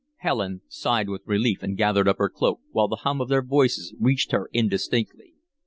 Helen sighed with relief and gathered up her cloak, while the hum of their voices reached her indistinctly.